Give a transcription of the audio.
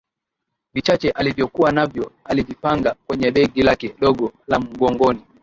Vichache alivyokuwa navyo alivipanga kwenye begi lake dogo la mgongoni